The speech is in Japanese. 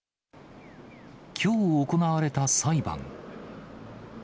きょう行われた裁判。